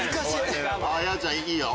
やおちゃんいいよ！